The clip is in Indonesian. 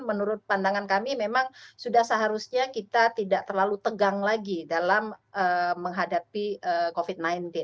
menurut pandangan kami memang sudah seharusnya kita tidak terlalu tegang lagi dalam menghadapi covid sembilan belas